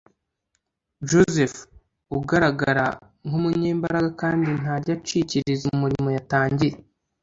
Joseph ugaragara nk’umunyembaraga kandi ntajya acikiriza umurimo yatangiye